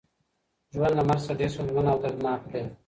ژوند له مرګ څخه ډیر ستونزمن او دردناک دی.